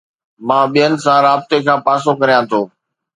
مان ٻين سان رابطي کان پاسو ڪريان ٿو